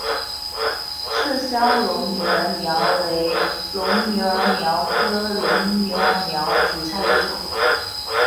麝香尨牛儿苗为牻牛儿苗科牻牛儿苗属下的一个种。